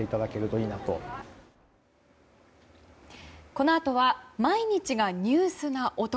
このあとは毎日がニュースな男